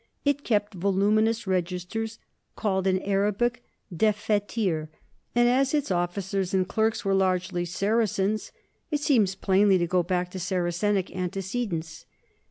It kept voluminous registers, called in Arabic defttir, and as its officers and clerks were largely Sara cens, it seems plainly to go back to Saracenic anteced ents.